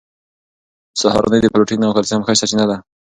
سهارنۍ د پروټین او کلسیم ښه سرچینه ده.